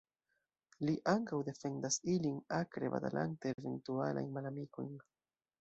Li ankaŭ defendas ilin, akre batalante eventualajn malamikojn.